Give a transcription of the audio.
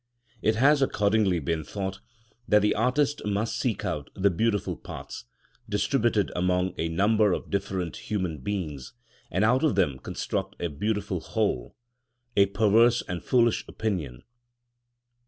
It has accordingly been thought that the artist must seek out the beautiful parts, distributed among a number of different human beings, and out of them construct a beautiful whole; a perverse and foolish opinion.